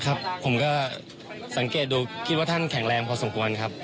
ครับผมก็สังเกตดูคิดว่าท่านแข็งแรงพอสมควรครับ